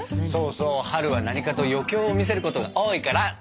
そうそう春は何かと余興を見せることが多いから。